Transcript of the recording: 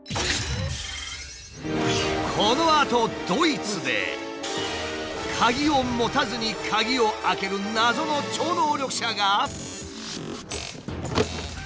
このあとドイツで鍵を持たずに鍵を開ける謎の超能力者が。